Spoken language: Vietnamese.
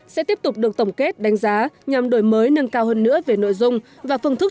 sẽ tiếp tục được tổng kết đánh giá nhằm đổi mới nâng cao hơn nữa về nội dung và phương thức